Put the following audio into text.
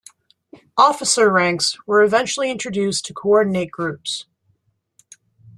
Officer ranks were eventually introduced to coordinate groups.